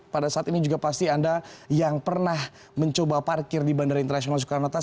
pada saat ini juga pasti anda yang pernah mencoba parkir di bandara internasional soekarno hatta